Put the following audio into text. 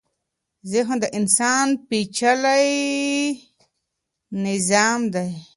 ذهن د انسان پېچلی نظام دی.